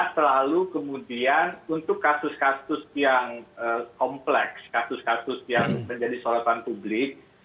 selalu kemudian untuk kasus kasus yang kompleks kasus kasus yang menjadi sorotan publik